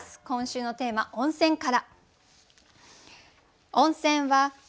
今週のテーマ「温泉」から。